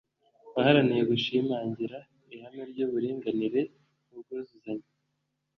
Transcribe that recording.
waharaniye gushimangira ihame ry'uburinganire n'ubwuzuzanye